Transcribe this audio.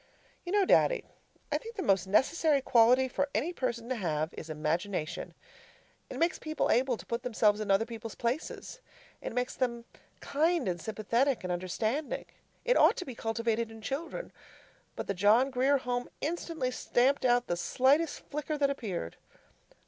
You know, Daddy, I think that the most necessary quality for any person to have is imagination. It makes people able to put themselves in other people's places. It makes them kind and sympathetic and understanding. It ought to be cultivated in children. But the John Grier Home instantly stamped out the slightest flicker that appeared.